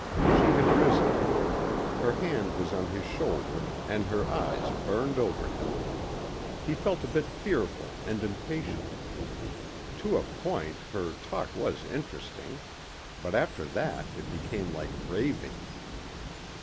She had risen. Her hand was on his shoulder and her eyes burned over him. He felt a bit fearful and impatient. To a point, her talk was interesting. But after that it became like raving.